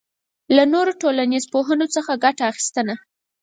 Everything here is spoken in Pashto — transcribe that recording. له نورو ټولنیزو پوهو څخه ګټه اخبستنه